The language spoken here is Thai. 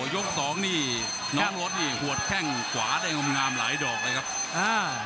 ยกสองนี่น้องรถนี่หัวแข้งขวาได้งมงามหลายดอกเลยครับอ่า